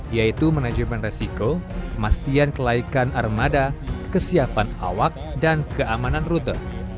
yaitu manajemen resiko kemastian kelaikan armada kesiapan awak dan keamanan rute